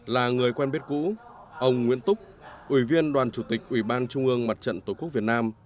là người quen biết cũ ông nguyễn túc ủy viên đoàn chủ tịch ủy ban trung ương mặt trận tổ quốc việt nam